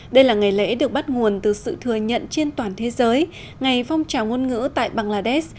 đây là ngày lễ được bắt nguồn từ sự thừa nhận trên toàn thế giới ngày phong trào ngôn ngữ tại bangladesh